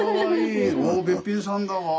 おべっぴんさんだわ。